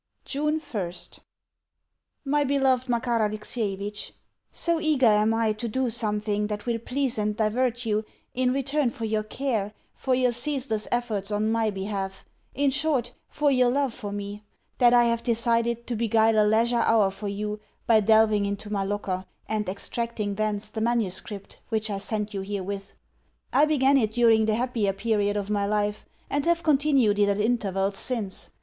June 1st MY BELOVED MAKAR ALEXIEVITCH, So eager am I to do something that will please and divert you in return for your care, for your ceaseless efforts on my behalf in short, for your love for me that I have decided to beguile a leisure hour for you by delving into my locker, and extracting thence the manuscript which I send you herewith. I began it during the happier period of my life, and have continued it at intervals since.